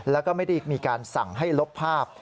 แล้วก็ไม่ได้มีการสั่งให้ลบภาพ